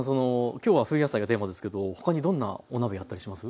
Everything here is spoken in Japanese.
今日は冬野菜がテーマですけど他にどんなお鍋やったりします？